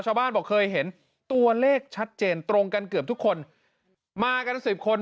บอกเคยเห็นตัวเลขชัดเจนตรงกันเกือบทุกคนมากันสิบคน